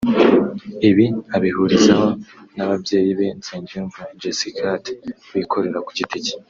Ibi abihurizaho n’ababyeyi be Nsengiyumva Giscard wikorera ku giti cye